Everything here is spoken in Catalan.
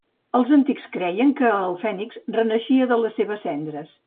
Els antics creien que el fènix renaixia de les seves cendres.